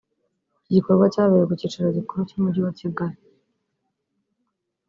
Iki gikorwa cyabereye ku kicaro gikuru cy’umujyi wa Kigali